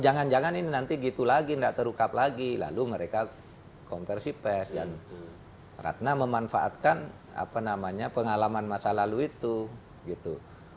jangan jangan ini nanti gitu lagi nggak terungkap lagi lalu mereka konversi pes dan ratna memanfaatkan apa namanya pengalaman masa lalu itu gitu